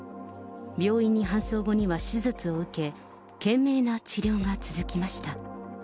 病院に搬送後には手術を受け、懸命な治療が続きました。